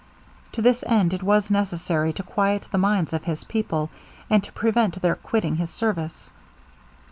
To this end it was necessary to quiet the minds of his people, and to prevent their quitting his service.